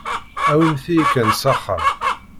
Awimt-iyi kan s axxam.